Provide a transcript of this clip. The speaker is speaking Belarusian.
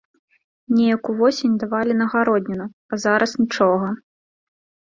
Неяк увосень давалі на гародніну, а зараз нічога.